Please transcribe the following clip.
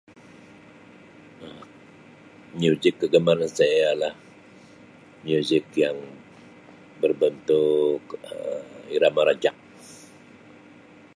Um Muzik kegemaran saya ialah muzik yang berbentuk Um irama rancak.